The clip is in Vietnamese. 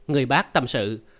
người bác tâm sự